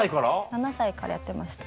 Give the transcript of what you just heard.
７歳からやってました。